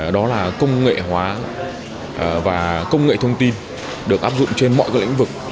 đó là công nghệ hóa và công nghệ thông tin được áp dụng trên mọi các lĩnh vực